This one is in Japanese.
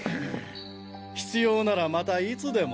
必要ならまたいつでも。